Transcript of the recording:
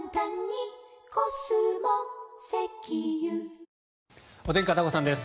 ニトリお天気、片岡さんです。